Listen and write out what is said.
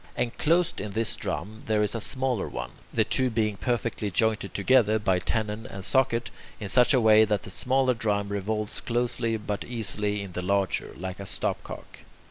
Enclosed in this drum there is a smaller one, the two being perfectly jointed together by tenon and socket, in such a way that the smaller drum revolves closely but easily in the larger, like a stopcock.